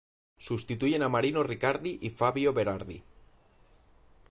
Sustituyen a Marino Riccardi y Fabio Berardi.